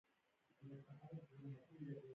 هغه هغې ته د نرم شګوفه ګلان ډالۍ هم کړل.